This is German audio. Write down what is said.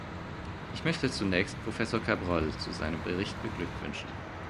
Ich möchte zunächst Professor Cabrol zu seinem Bericht beglückwünschen.